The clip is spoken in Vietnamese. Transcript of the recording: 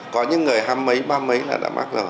có những người hai mươi ba mươi là đã mắc rồi